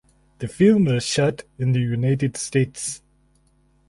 The film was shot in the United States.